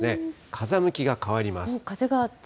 風向きが変わります。